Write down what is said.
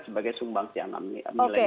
sebagai sumbangsi anak milenial oke